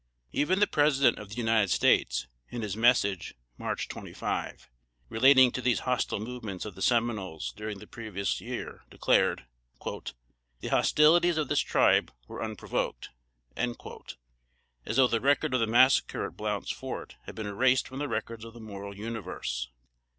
Even the President of the United States, in his Message (March 25), relating to these hostile movements of the Seminoles, during the previous year, declared "The hostilities of this Tribe were unprovoked," as though the record of the massacre at "Blount's Fort" had been erased from the records of the moral Universe.